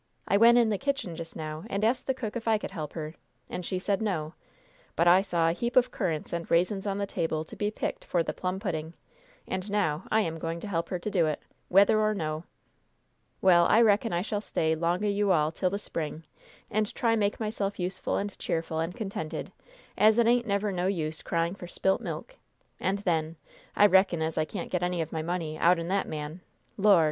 I went in the kitchen just now, and asked the cook if I could help her, and she said no; but I saw a heap of currants and raisins on the table to be picked for the plum pudding, and now I am going to help her to do it, whether or no! Well, I reckon I shall stay 'long o' you all till the spring, and try make myself useful and cheerful and contented, as it ain't never no use crying for spilt milk; and, then, I reckon as I can't get any of my money out'n that man Lord!